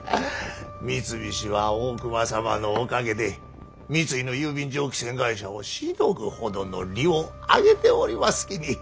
三菱は大隈様のおかげで三井の郵便蒸気船会社をしのぐほどの利をあげておりますきに。